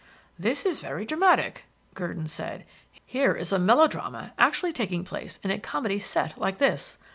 "This is very dramatic," Gurdon said. "Here is a melo drama actually taking place in a comedy 'set' like this.